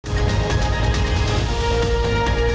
สนับสนุนโดยทีโพพิเศษถูกอนามัยสะอาดใสไร้คราบ